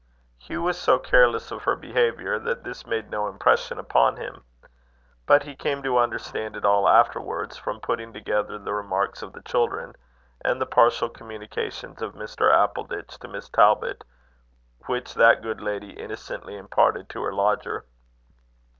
Hugh was so careless of her behaviour, that this made no impression upon him. But he came to understand it all afterwards, from putting together the remarks of the children, and the partial communications of Mr. Appleditch to Miss Talbot, which that good lady innocently imparted to her lodger.